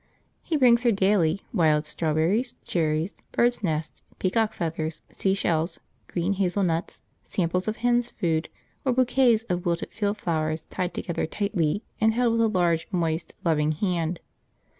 He brings her daily, wild strawberries, cherries, birds' nests, peacock feathers, sea shells, green hazel nuts, samples of hens' food, or bouquets of wilted field flowers tied together tightly and held with a large, moist, loving hand.